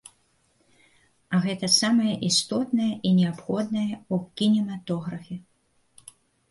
А гэта самае істотнае і неабходнае ў кінематографе.